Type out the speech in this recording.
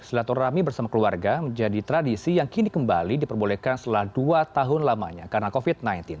silaturahmi bersama keluarga menjadi tradisi yang kini kembali diperbolehkan setelah dua tahun lamanya karena covid sembilan belas